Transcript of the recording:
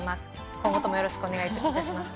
今後ともよろしくお願いいたしますと。